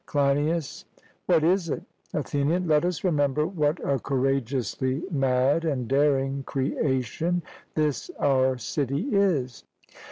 CLEINIAS: What is it? ATHENIAN: Let us remember what a courageously mad and daring creation this our city is.